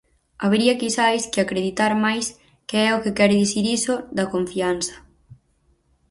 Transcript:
Habería quizais que acreditar máis que é o que quere dicir iso da confianza.